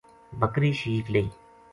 بکری شیک لئی